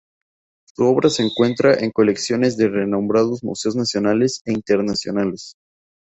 Su obra se encuentra en colecciones de renombrados museos nacionales e internacionales.